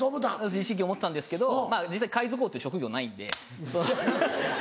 一時期思ってたんですけど実際海賊王っていう職業ないんでアハハ。